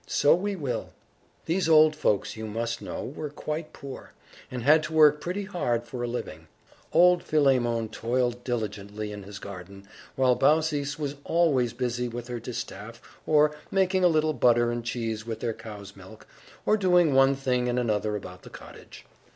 "So we will!" These old folks, you must know, were quite poor, and had to work pretty hard for a living. Old Philemon toiled diligently in his garden, while Baucis was always busy with her distaff, or making a little butter and cheese with their cow's milk, or doing one thing and another about the cottage.